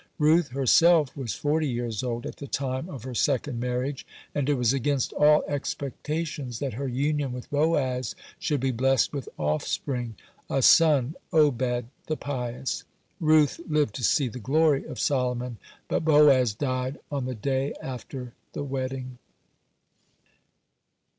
Ruth herself was forty years old (67) at the time of her second marriage, and it was against all expectations that her union with Boaz should be blessed with offspring, a son Obed the pious. (68) Ruth lived to see the glory of Solomon, but Boaz died on the day after the wedding.